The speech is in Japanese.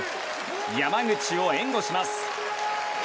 山口を援護します。